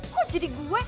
kok jadi gue